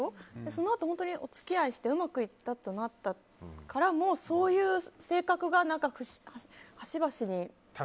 そのあと、お付き合いしてうまくいってからももうそういう性格が端々に。